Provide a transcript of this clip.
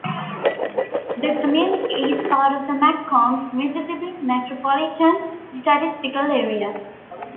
The community is part of the McComb, Mississippi Micropolitan Statistical Area.